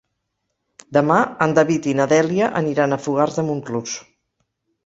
Demà en David i na Dèlia aniran a Fogars de Montclús.